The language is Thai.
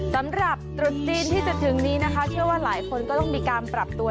ตรุษจีนที่จะถึงนี้นะคะเชื่อว่าหลายคนก็ต้องมีการปรับตัว